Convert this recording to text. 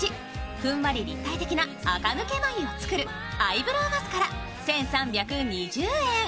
ふんわり立体的な垢抜け眉を作るアイブロウマスカラ、１３２０円。